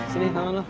sini tangan lu